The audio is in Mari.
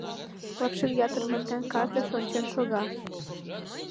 Лапшин ятыр мартен картыш ончен шога.